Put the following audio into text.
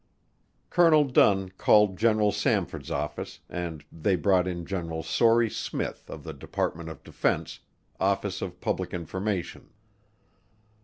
Colonel Dunn called General Samford's office and they brought in General Sory Smith of the Department of Defense, Office of Public Information.